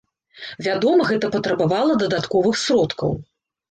Вядома, гэта патрабавала дадатковых сродкаў.